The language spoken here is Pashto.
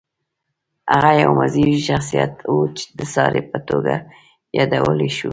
هغه یو مذهبي شخصیت و، د ساري په توګه یادولی شو.